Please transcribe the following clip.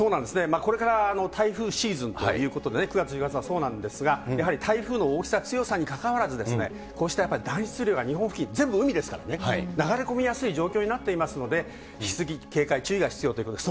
これから台風シーズンということでね、９月、１０月はそうなんですが、やはり台風の大きさ、強さにかかわらず、こうしたやっぱり暖湿流が日本付近全部、海ですからね、流れ込みやすい状況になっていますので、引き続き警戒、注意が必要ということです。